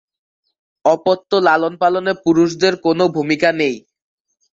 অপত্য লালন-পালনে পুরুষদের কোনও ভূমিকা নেই।